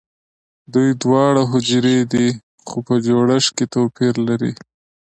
دوی دواړه حجرې دي خو په جوړښت کې توپیر لري